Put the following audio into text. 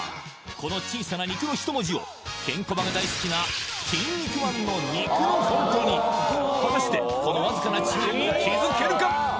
この小さな「肉」の一文字をケンコバが大好きなキン肉マンの「肉」のフォントに果たしてこのわずかな違いに気づけるか？